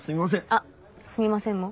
あっ「すみません」も。